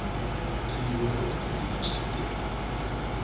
Qui hurle dans l’immensité ;